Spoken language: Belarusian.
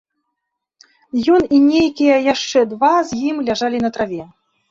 Ён і нейкія яшчэ два з ім ляжалі на траве.